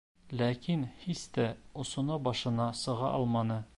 Ләкин һис тә осона-башына сыға алманы.